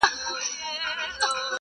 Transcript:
داسي سفردی پرنمبرباندي وردرومي هرڅوک.